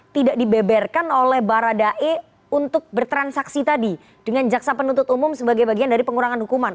tidak dibeberkan oleh baradae untuk bertransaksi tadi dengan jaksa penuntut umum sebagai bagian dari pengurangan hukuman